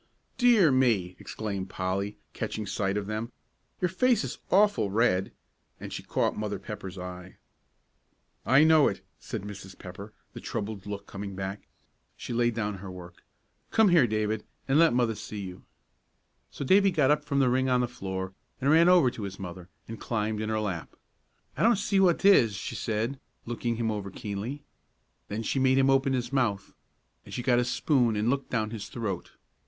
"Dear me!" exclaimed Polly, catching sight of them, "your face is awful red." And she caught Mother Pepper's eye. "I know it," said Mrs. Pepper, the troubled look coming back. She laid down her work. "Come here, David, and let Mother see you." So Davie got up from the ring on the floor, and ran over to his mother, and climbed in her lap. "I don't see what 'tis," she said, looking him over keenly. Then she made him open his mouth, and she got a spoon and looked down his throat.